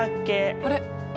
あれ？